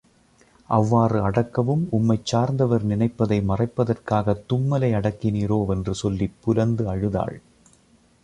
அவ்வாறு அடக்கவும் உம்மைச் சார்ந்தவர் நினைப்பதை மறைப்பதற்காகத் தும்மலை அடக்கினீரோ வென்று சொல்லிப் புலந்து அழுதாள்.